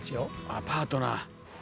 あパートナー。